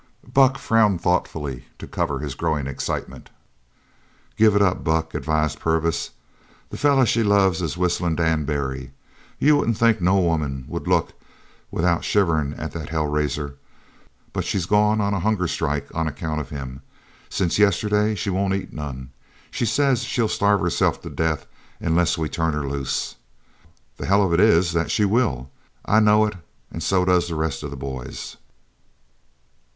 Buck frowned thoughtfully to cover his growing excitement. "Give it up, Buck," advised Purvis. "The feller she loves is Whistlin' Dan Barry. You wouldn't think no woman would look without shiverin' at that hell raiser. But she's goin' on a hunger strike on account of him. Since yesterday she wouldn't eat none. She says she'll starve herself to death unless we turn her loose. The hell of it is that she will. I know it an' so does the rest of the boys."